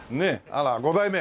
あら５代目。